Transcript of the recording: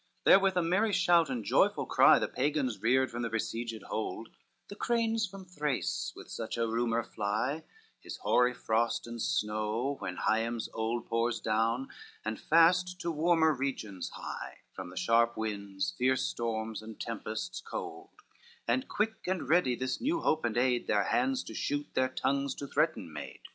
II Therewith a merry shout and joyful cry The Pagans reared from their besieged hold; The cranes from Thrace with such a rumor fly, His hoary frost and snow when Hyems old Pours down, and fast to warmer regions hie, From the sharp winds, fierce storms and tempests cold; And quick, and ready this new hope and aid, Their hands to shoot, their tongues to threaten made.